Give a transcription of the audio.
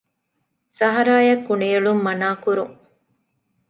ސަހަރާއަށް ކުނިއެޅުން މަނާ ކުރުން